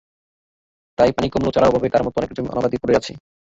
তাই পানি কমলেও চারার অভাবে তার মতো অনেকের জমি অনাবাদি পড়ে আছে।